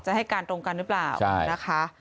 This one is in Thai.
ให้การตรงกันหรือเปล่านะคะ